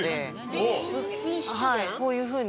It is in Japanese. こういうふうに。